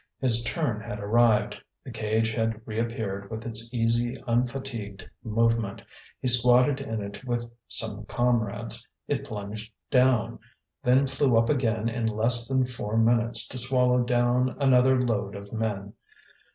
His turn had arrived; the cage had reappeared with its easy, unfatigued movement. He squatted in it with some comrades; it plunged down, then flew up again in less then four minutes to swallow down another load of men.